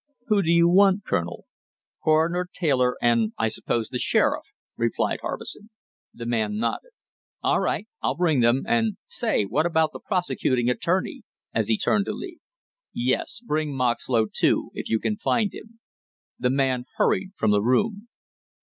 "Who do you want, Colonel?" "Coroner Taylor, and I suppose the sheriff," replied Harbison. The man nodded. "All right, I'll bring them; and say, what about the prosecuting attorney?" as he turned to leave. "Yes, bring Moxlow, too, if you can find him." The man hurried from the room.